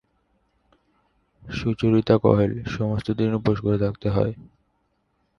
সুচরিতা কহেল, সমস্ত দিন উপোস করে থাকতে হয়।